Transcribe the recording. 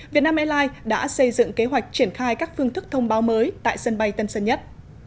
việt nam airlines đã xây dựng kế hoạch triển khai các phương thức thông báo mới tại sân bay tân sơn nhất